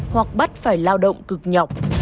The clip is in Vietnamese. hoặc bắt phải lao động cực nhọc